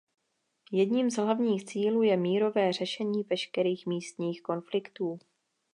Jedním z hlavních cílů je mírové řešení veškerých místních konfliktů.